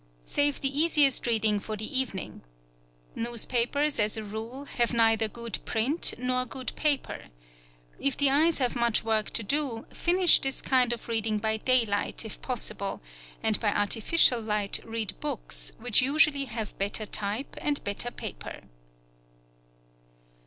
Save the easiest reading for the evening. Newspapers, as a rule, have neither good print nor good paper. If the eyes have much work to do, finish this kind of reading by daylight if possible, and by artificial light read books, which usually have better type and better paper.